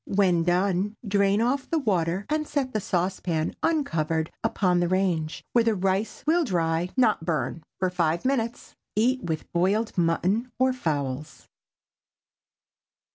When done, drain off the water, and set the saucepan uncovered upon the range, where the rice will dry, not burn, for five minutes. Eat with boiled mutton or fowls.